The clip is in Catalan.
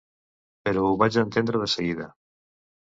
Però ho vaig entendre de seguida.